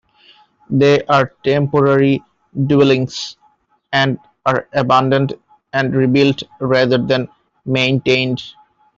They are temporary dwellings, and are abandoned and rebuilt rather than maintained.